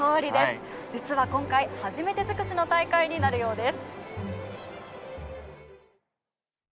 実は、今回初めて尽くしの大会になるようです。